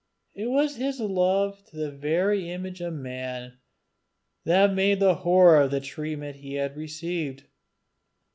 It was his love to the very image of man, that made the horror of the treatment he had received.